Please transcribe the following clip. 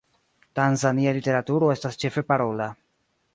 Tanzania literaturo estas ĉefe parola.